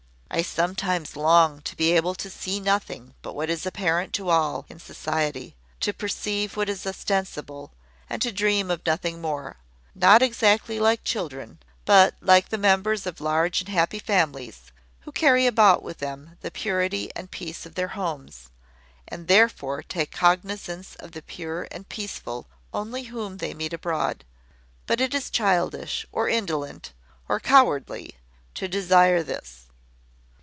I sometimes long to be able to see nothing but what is apparent to all in society; to perceive what is ostensible, and to dream of nothing more, not exactly like children, but like the members of large and happy families, who carry about with them the purity and peace of their homes, and therefore take cognisance of the pure and peaceful only whom they meet abroad; but it is childish, or indolent, or cowardly, to desire this.